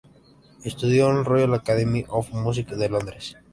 Estudió en la Royal Academy of Music de Londres.